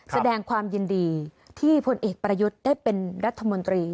แสดงความยินดีที่ผลเอกประยุทธ์ได้เป็นรัฐมนตรี